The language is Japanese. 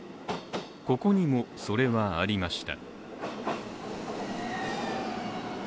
ここにもそれはありました。